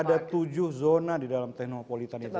ada tujuh zona di dalam teknopolitan itu